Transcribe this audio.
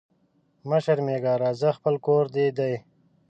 مه شرمېږه راځه خپل کور دي دی